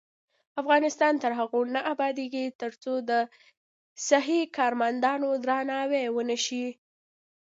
افغانستان تر هغو نه ابادیږي، ترڅو د صحي کارمندانو درناوی ونشي.